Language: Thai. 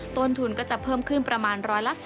ต้นทุนก็จะเพิ่มขึ้นประมาณ๑๓